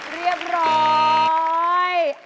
เรียบร้อย